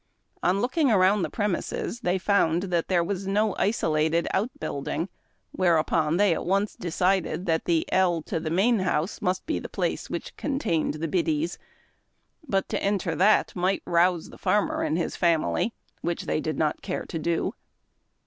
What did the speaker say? On looking around the premises they found that there was no isolated out build ing, whereupon they at once decided that the ell to the main house must be the place which contained the "biddies"; but to enter that might rouse the farmer and his family, which they did not care to do.